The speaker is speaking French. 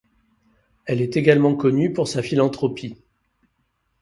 Elle est également connue pour sa philanthropie.